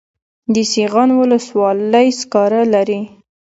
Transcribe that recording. د سیغان ولسوالۍ سکاره لري